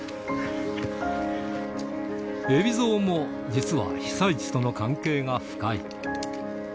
海老蔵も実は被災地との関係が深い。